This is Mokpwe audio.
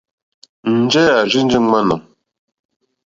Njɛ̂ à rzênjé ŋmánà.